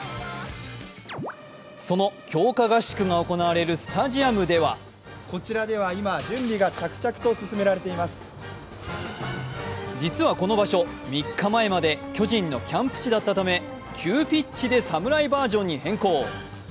その強化合宿が行われるスタジアムでは実はこの場所、３日前まで巨人のキャンプ地だったため急ピッチで侍バージョンに変更。